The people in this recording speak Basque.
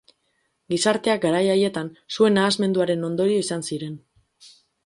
Gizarteak garai haietan zuen nahasmenduaren ondorio izan ziren.